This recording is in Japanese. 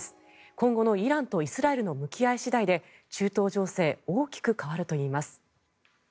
今後のイランとイスラエルの向き合い次第で中東情勢大きく変わるといいます。